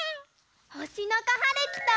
ほしのこはるきと。